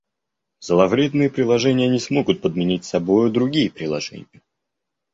Зловредные приложения не смогут подменить собою другие приложения